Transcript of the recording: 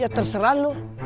ya terserah lu